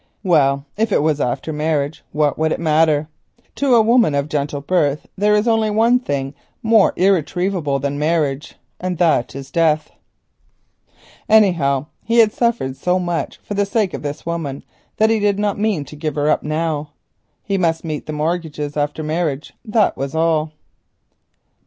Well, if it was after marriage, what would it matter? To a woman of gentle birth there is only one thing more irretrievable than marriage, and that is death. Anyhow, he had suffered so much for the sake of this woman that he did not mean to give her up now. He must meet the mortgages after marriage, that was all.